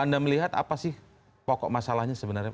anda melihat apa sih pokok masalahnya sebenarnya